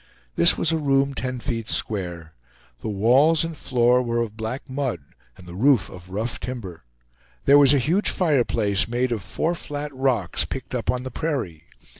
This was a room ten feet square. The walls and floor were of black mud, and the roof of rough timber; there was a huge fireplace made of four flat rocks, picked up on the prairie.